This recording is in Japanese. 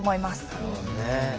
なるほどねえ。